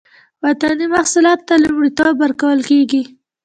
وطني محصولاتو ته لومړیتوب ورکول کیږي